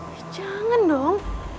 shhh jangan dong